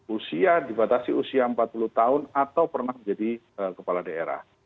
usia dibatasi usia empat puluh tahun atau pernah menjadi kepala daerah